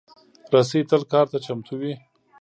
رسۍ تل کار ته چمتو وي.